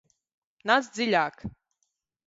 Nāc dziļāk!